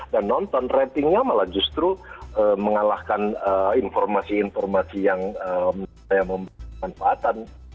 dan nonton ratingnya malah justru mengalahkan informasi informasi yang memiliki kemanfaatan